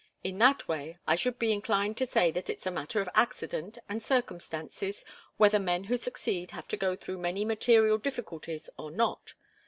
In that way, I should be inclined to say that it's a matter of accident and circumstances whether men who succeed have to go through many material difficulties or not.